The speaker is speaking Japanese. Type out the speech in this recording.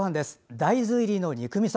大豆入りの肉みそ。